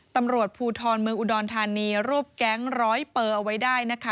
ตำรวจภูทรเมืองอุดรธานีรวบแก๊งร้อยเปอร์เอาไว้ได้นะคะ